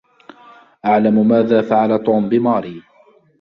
أعلم ماذا فعل توم بماري.